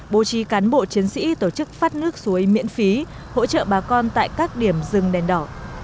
bố trì cán bộ chiến sĩ tổ chức phát nước suối miễn phí hỗ trợ bà con tại các điểm rừng đèn đỏ